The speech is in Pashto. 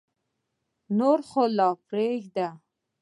نور خو لا پرېږده.